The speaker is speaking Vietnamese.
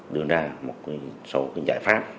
đưa ra một số giải pháp